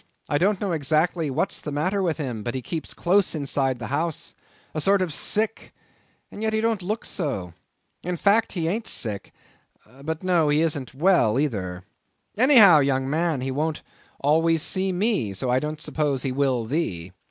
I don't know exactly what's the matter with him; but he keeps close inside the house; a sort of sick, and yet he don't look so. In fact, he ain't sick; but no, he isn't well either. Any how, young man, he won't always see me, so I don't suppose he will thee.